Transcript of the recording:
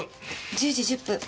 １０時１０分。